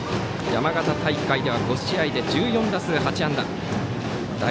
山形大会では５試合で１４打数８安打。